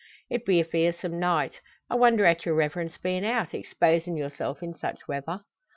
"It be a fearsome night. I wonder at your Reverence bein' out exposin' yourself in such weather!"